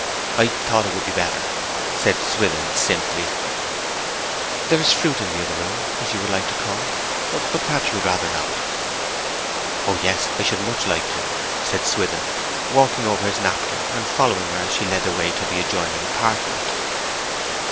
'I thought it would be better,' said Swithin simply. 'There is fruit in the other room, if you like to come. But perhaps you would rather not?' 'O yes, I should much like to,' said Swithin, walking over his napkin, and following her as she led the way to the adjoining apartment.